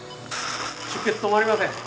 出血止まりません。